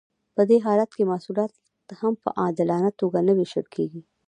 په دې حالت کې محصولات هم په عادلانه توګه نه ویشل کیږي.